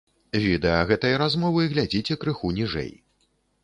Відэа гэтай размовы глядзіце крыху ніжэй.